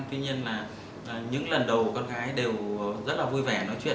tuy nhiên là những lần đầu con gái đều rất là vui vẻ nói chuyện